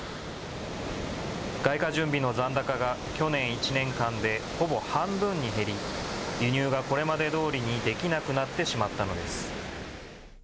外貨準備の残高が去年１年間でほぼ半分に減り、輸入がこれまでどおりにできなくなってしまったのです。